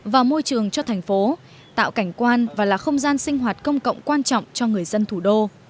và môi trường cho thành phố tạo cảnh quan và là không gian sinh hoạt công cộng quan trọng cho người dân thủ đô